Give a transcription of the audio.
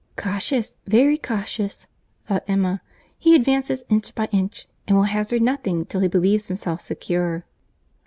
"Cautious, very cautious," thought Emma; "he advances inch by inch, and will hazard nothing till he believes himself secure."